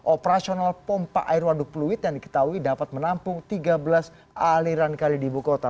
operasional pompa air waduk pluit yang diketahui dapat menampung tiga belas aliran kali di ibu kota